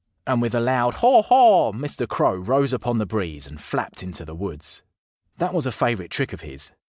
And with a loud haw haw Mr. Crow rose upon the breeze and flapped into the woods. That was a favorite trick of his.